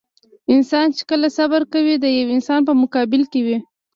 انسان چې کله صبر کوي د يوه انسان په مقابل کې وي.